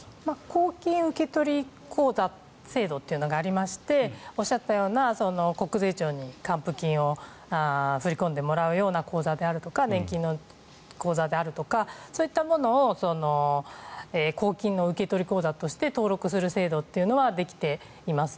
公金受取口座制度というのがあっておっしゃったような国税庁に還付金を振り込んでもらうような口座であるとか年金の口座であるとかそういったものを公金の受取口座として登録する制度というのはできています。